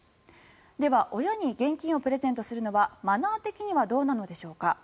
では、親に現金をプレゼントするのはマナー的にはどうなのでしょうか。